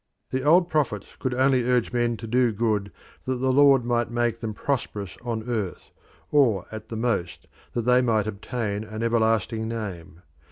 The old prophets could only urge men to do good that the Lord might make them prosperous on earth, or at the most that they might obtain an everlasting name.